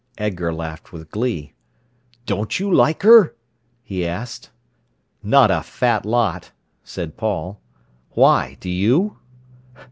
'" Edgar laughed with glee. "Don't you like her?" he asked. "Not a fat lot," said Paul. "Why, do you?"